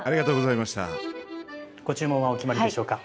ご注文はお決まりでしょうか？